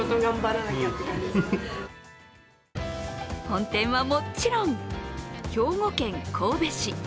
本店は、もちろん兵庫県神戸市。